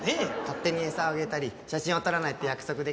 勝手に餌をあげたり写真を撮らないって約束できる？